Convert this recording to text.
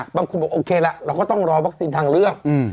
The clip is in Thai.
บางคนบอกโอเคละเราก็ต้องรอวัคซีนทางเลือก